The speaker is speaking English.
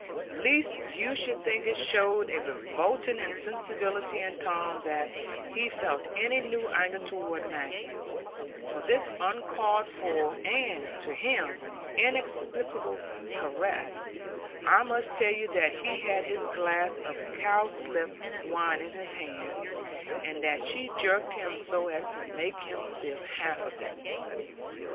Lest you should think it showed a revolting insensibility in Tom that he felt any new anger toward Maggie for this uncalled for and, to him, inexplicable caress, I must tell you that he had his glass of cowslip wine in his hand, and that she jerked him so as to make him spill half of it.